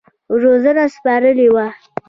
روزنه سپارلې وه.